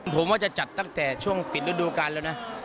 ผมว่าจะจัดตั้งแต่ช่วงปิดฤดูการแล้วนะ